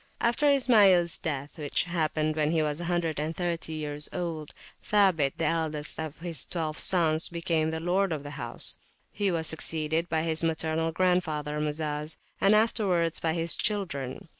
After Ismails death, which happened when he was 130 years old, Sabit, the eldest of his twelve sons, became lord of the house. He was succeeded by his maternal grandfather Muzaz, and afterwards by his children.